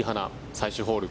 最終ホール。